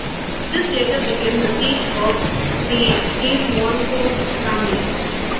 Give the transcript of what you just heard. This later became the seat of the De Montfort family.